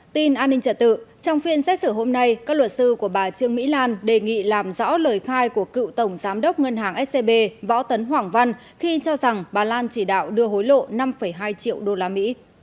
tin an ninh trả tự trong phiên xét xử hôm nay các luật sư của bà trương mỹ lan đề nghị làm rõ lời khai của cựu tổng giám đốc ngân hàng scb võ tấn hoàng văn khi cho rằng bà lan chỉ đạo đưa hối lộ năm hai triệu đô la mỹ